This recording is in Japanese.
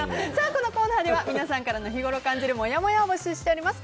このコーナーでは皆さんが日ごろ感じるもやもやを募集しております。